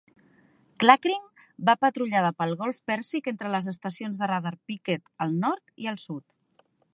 "Klakring" va patrullada pel golf Pèrsic entre les estacions de radar Picket al nord i al sud.